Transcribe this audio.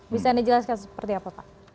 bisa anda jelaskan seperti apa pak